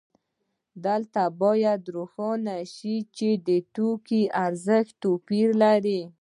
دلته باید روښانه شي چې د توکو ارزښت توپیر لري